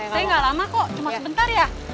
saya gak lama kok cuma sebentar ya